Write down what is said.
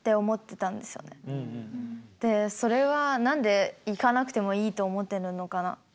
でそれは何で行かなくてもいいと思っているのかな？